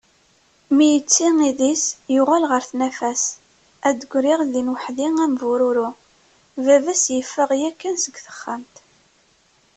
Mi yetti idis yuɣal ɣer tnafa-s ad d-griɣ din waḥdi am bururu. Baba-s yeffeɣ yakkan seg texxamt.